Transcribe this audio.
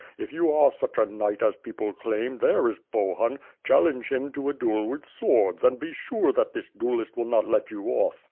If you are such a knight as people claim, there is Bohun; challenge him to a duel with swords, and be sure that this duellist will not let you off.